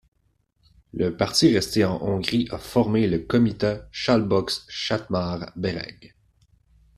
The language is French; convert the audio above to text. La partie restée en Hongrie a formé le comitat Szabolcs-Szatmár-Bereg.